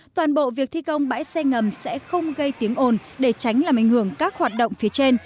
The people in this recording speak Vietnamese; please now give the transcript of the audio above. toàn bộ việc thi công bãi xe ngầm sẽ không gây tiếng ồn để tránh làm ảnh hưởng các hoạt động phía trên